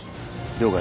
了解。